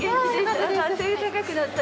背高くなったね。